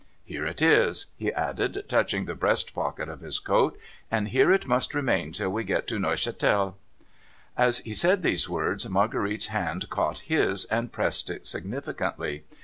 Here it is,' he added, touching the breast pocket of his coat, ' and here it must remain till we get to Neuchatel.' As he said those words, Marguerite's hand caught his, and pressed it significantly.